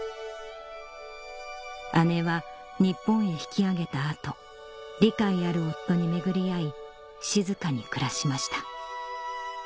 姉は日本へ引き揚げた後理解ある夫に巡り合い静かに暮らしました